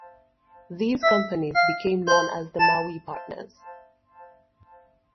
These companies became known as the Maui Partners.